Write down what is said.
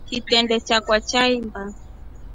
Kitrende chakwa chaimba.